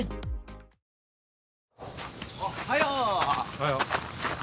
おはよう。何？